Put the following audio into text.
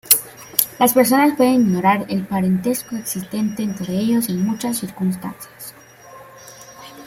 Las personas pueden ignorar el parentesco existente entre ellos en muchas circunstancias.